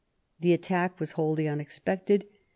The attack was wholly unexpected.